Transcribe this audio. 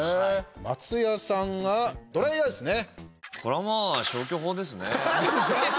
松也さんがドライヤーですね。